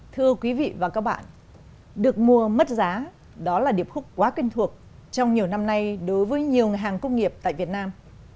thưa quý vị và các bạn được mua mất giá đó là điệp khúc quá quen thuộc trong nhiều năm nay đối với nhiều hàng công nghiệp tại việt nam